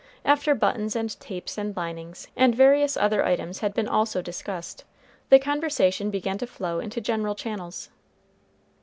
After buttons and tapes and linings, and various other items had been also discussed, the conversation began to flow into general channels.